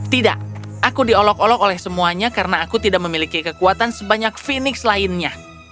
tidak aku diolok olok oleh semuanya karena aku tidak memiliki kekuatan sebanyak feenix lainnya